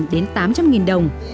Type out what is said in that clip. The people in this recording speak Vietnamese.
hai trăm linh đến tám trăm linh đồng